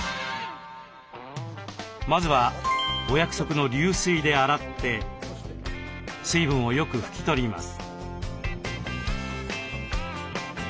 まずはお約束の流水で洗って水分をよく拭きとります。